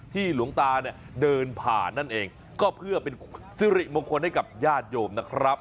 หลวงตาเนี่ยเดินผ่านนั่นเองก็เพื่อเป็นสิริมงคลให้กับญาติโยมนะครับ